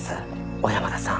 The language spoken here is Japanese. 小山田さん